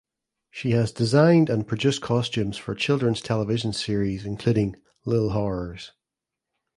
She has designed and produced costumes for children’s television series including L’il Horrors.